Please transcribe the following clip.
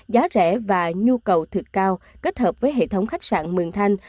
giá rẻ và nhu cầu thực cao kết hợp với hệ thống khách sạn mường thanh